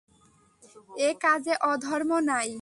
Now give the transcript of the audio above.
এ কাজে অধর্ম নাই।